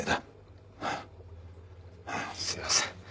すみません。